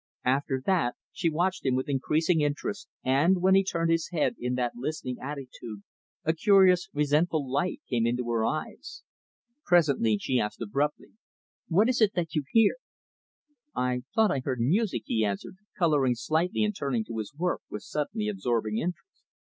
After that, she watched him with increasing interest and, when he turned his head in that listening attitude, a curious, resentful light came into her eyes. Presently, she asked abruptly, "What is it that you hear?" "I thought I heard music," he answered, coloring slightly and turning to his work with suddenly absorbing interest.